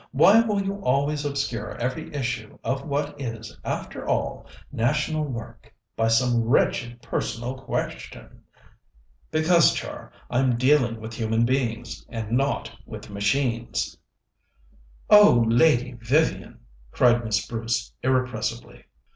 why will you always obscure every issue of what is, after all, national work, by some wretched personal question?" "Because, Char, I'm dealing with human beings, and not with machines." "Oh, Lady Vivian!" cried Miss Bruce irrepressibly.